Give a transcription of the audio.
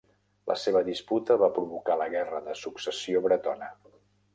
La seva disputa va provocar la guerra de successió bretona.